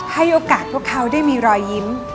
ให้โอกาสพวกเขาได้มีรอยยิ้ม